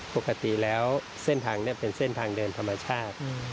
ปกติแล้วเส้นทางนี้เป็นเส้นทางเดินธรรมชาติ